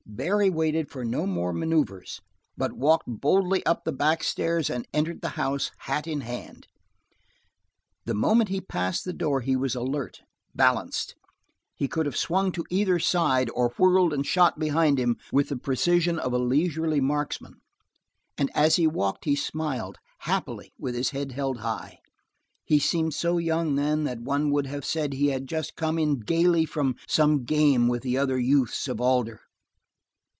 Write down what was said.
Barry waited for no more maneuvers, but walked boldly up the back stairs and entered the house, hat in hand. The moment he passed the door he was alert, balanced. He could have swung to either side, or whirled and shot behind him with the precision of a leisurely marksman, and as he walked he smiled, happily with his head held high. He seemed so young, then, that one would have said he had just come in gaily from some game with the other youths of Alder.